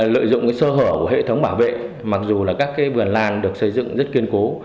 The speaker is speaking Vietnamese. lợi dụng sơ hở của hệ thống bảo vệ mặc dù là các vườn lan được xây dựng rất kiên cố